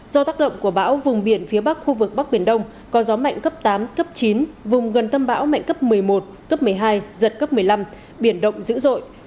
do tác động của bão vùng biển phía bắc khu vực bắc biển đông có gió mạnh cấp tám cấp chín vùng gần tâm bão mạnh cấp một mươi một cấp một mươi hai giật cấp một mươi năm biển động dữ dội